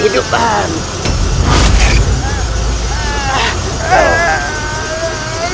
hidup pak man